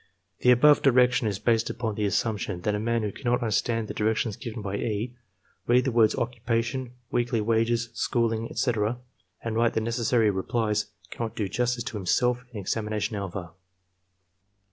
The above direction is based upon the assumption that a man who cannot imderstand the directions given by E., read the words "occupation," "weekly wages," "schooling," etc., and write the necessary replies, cannot do justice to himself in examination alpha.